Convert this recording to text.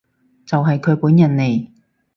就係佢本人嚟